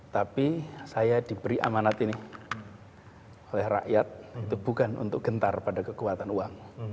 tapi saya diberi amanat ini oleh rakyat itu bukan untuk gentar pada kekuatan uang